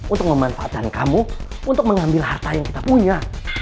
untuk memanfaatkan kamu untuk mengambil harta yang kita punya